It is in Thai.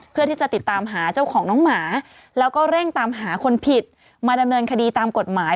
เพื่อที่จะติดตามหาเจ้าของน้องหมาแล้วก็เร่งตามหาคนผิดมาดำเนินคดีตามกฎหมาย